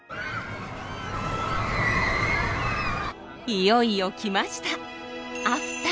いよいよ来ました！